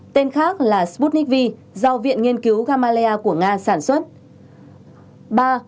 tên khác là sputnik v do viện nghiên cứu gamaleya của nga sản xuất